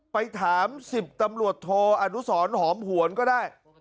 ไปถาม๑๐ตำรวจโทอนุสรหอมหวนก็ได้